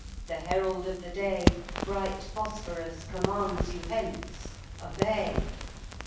The herald of the day, Bright Phosphorus commands you hence. Obey.